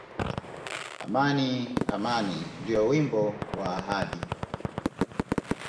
Amani! Amani! Ndio wimbo wa ahadi